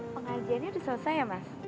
pengajiannya sudah selesai ya mas